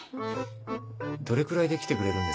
どれくらいで来てくれるんですか？